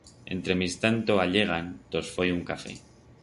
Entremistanto allegan, tos foi un café.